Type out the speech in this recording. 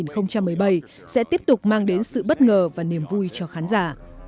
ban tổ chức hy vọng oscar hai nghìn một mươi bảy sẽ tiếp tục mang đến sự bất ngờ và niềm vui cho khán giả